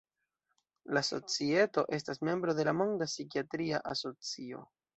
La Societo estas membro de la Monda Psikiatria Asocio.